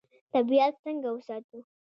طبیعت څنګه وساتو؟